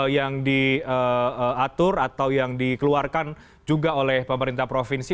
yang diatur atau yang dikeluarkan juga oleh pemerintah provinsi